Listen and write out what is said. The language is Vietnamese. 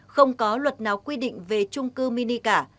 không có luật nào quy định về trung cư mini cả